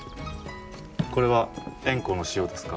これは塩湖の塩ですか？